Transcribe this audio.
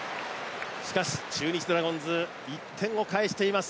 しかし、中日ドラゴンズ１点を返しています。